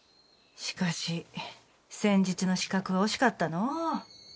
しかし先日の刺客は惜しかったのう。